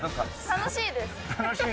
楽しいです？